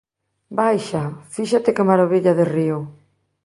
_Baixa, fíxate que marabilla de río.